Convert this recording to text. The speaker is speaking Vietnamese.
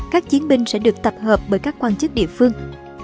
các chiến binh sẽ được tập hợp bởi các quan chức địa phương